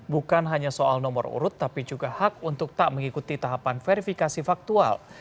bukan hanya soal nomor urut tapi juga hak untuk tak mengikuti tahapan verifikasi faktual